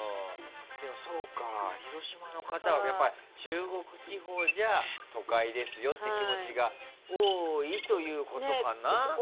そうか、広島の方は中国地方だと都会ですよって気持ちが多いということかな？